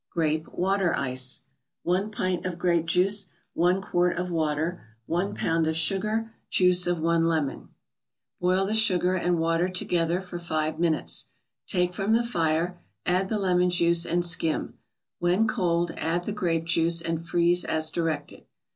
GRAPE WATER ICE 1 pint of grape juice 1 quart of water 1 pound of sugar Juice of one lemon Boil the sugar and water together for five minutes, take from the fire, add the lemon juice, and skim. When cold, add the grape juice, and freeze as directed.